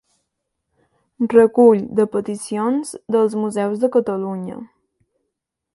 Recull de peticions dels museus de Catalunya.